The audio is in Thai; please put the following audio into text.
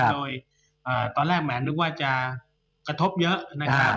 โดยตอนแรกแหมนึกว่าจะกระทบเยอะนะครับ